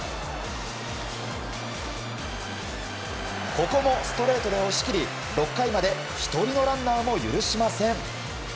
ここもストレートで押し切り６回まで１人のランナーも許しません。